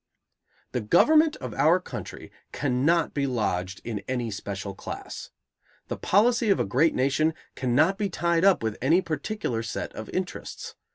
The government of our country cannot be lodged in any special class. The policy of a great nation cannot be tied up with any particular set of interests.